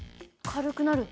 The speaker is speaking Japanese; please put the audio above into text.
軽くなる？